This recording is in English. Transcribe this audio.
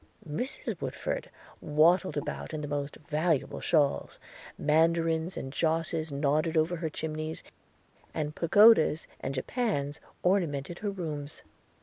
Mrs Woodford waddled about in the most valuable shawls; mandarins and josses nodded over her chimneys; and pagodas and japans ornamented her rooms.